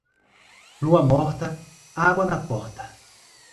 Lua morta, água na porta.